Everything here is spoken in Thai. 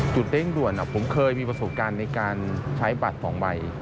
เร่งด่วนผมเคยมีประสบการณ์ในการใช้บัตร๒ใบ